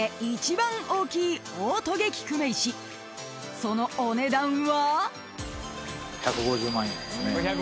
［そのお値段は？］